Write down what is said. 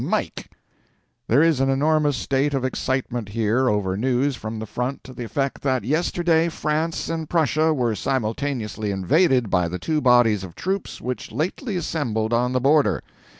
MIKE." There is an enormous state of excitement here over news from the front to the effect that yesterday France and Prussia were simultaneously invaded by the two bodies of troops which lately assembled on the border.